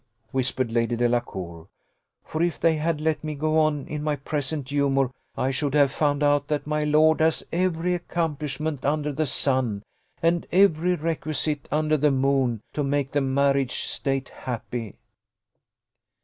whispered Lady Delacour; "for if they had let me go on in my present humour, I should have found out that my lord has every accomplishment under the sun, and every requisite under the moon, to make the marriage state happy."